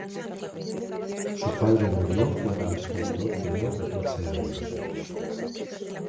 Su padre murió cuando el escultor tenía catorce años.